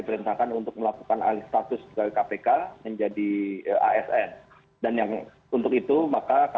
berdasarkan hukum dan aturan perundang undangan